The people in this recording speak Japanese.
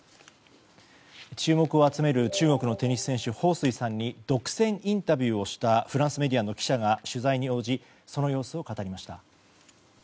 注目を集める中国のテニス選手ホウ・スイさんに独占インタビューをしたフランスメディアの記者が取材に応じその様子を語りました。